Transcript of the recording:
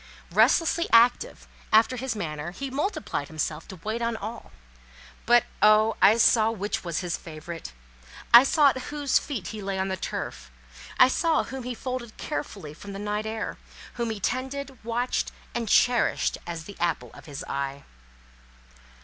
Restlessly active, after his manner, he multiplied himself to wait on all; but oh! I saw which was his favourite. I saw at whose feet he lay on the turf, I saw whom he folded carefully from the night air, whom he tended, watched, and cherished as the apple of his eye.